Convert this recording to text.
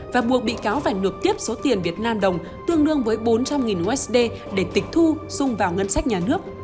và buộc bị cáo phải nộp tiếp số tiền việt nam đồng tương đương với bốn trăm linh usd để tịch thu xung vào ngân sách nhà nước